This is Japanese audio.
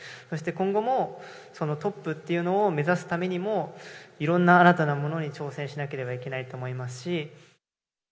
そして今後も、トップというのを目指すためにも、いろんな新たなものに挑戦しなければいけないと思いますし。